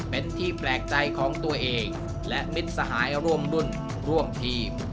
เป็นที่แปลกใจของตัวเองและมิตรสหายร่วมรุ่นร่วมทีม